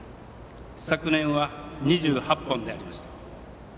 昨年は２８本でありました。